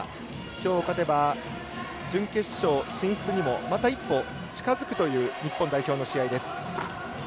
きょう、勝てば準決勝進出にもまた一歩近づくという日本代表の試合です。